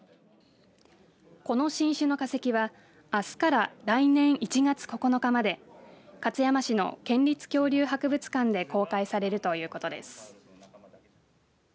この新種の化石はあすから来年１月９日まで勝山市の県立恐竜博物館で公開されるということです。